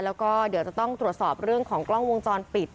แล้วก็เดี๋ยวจะต้องตรวจสอบเรื่องของกล้องวงจรปิด